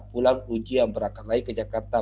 pulang ujian berangkat lagi ke jakarta